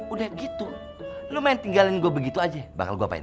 udah gitu lo main tinggalin gue begitu aja bakal gue apain